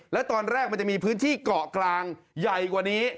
แล้วตอนแรกมันจะมีพื้นที่เกาะกลางใหญ่กว่านี้